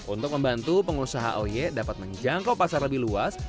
untuk membantu pengusaha oy dapat menjangkau pasar lebih luas